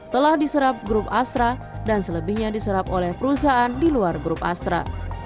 telah diserap grup astra dan selebihnya diserap oleh perusahaan di luar grup astra